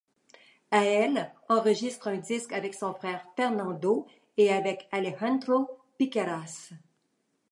À elle enregistre un disque avec son frère Fernando et avec Alejandro Piqueras.